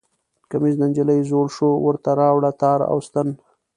کمیس د نجلۍ زوړ شو ورته راوړه تار او ستن